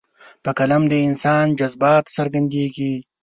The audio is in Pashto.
په قلم د انسان جذبات څرګندېږي.